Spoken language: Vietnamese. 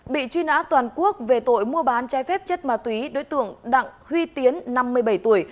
bị truy nã toàn quốc về tội mua bán trái phép chất ma túy đối tượng đặng huy tiến năm mươi bảy tuổi